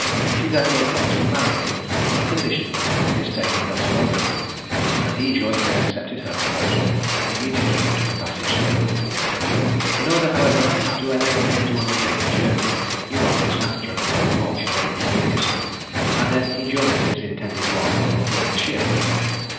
She therefore promised to marry him on condition of his taking her to London, and he joyfully accepted her proposal, and immediately took a passage to Liverpool. In order, however, to enable him to undertake the journey, he robbed his master of a gold watch and 80 guineas, and then he joined his intended wife on board the ship.